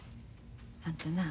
あんたなあ